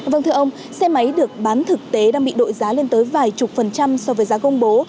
vâng thưa ông xe máy được bán thực tế đang bị đội giá lên tới vài chục phần trăm so với giá công bố